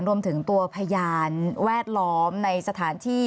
รวมถึงตัวพยานแวดล้อมในสถานที่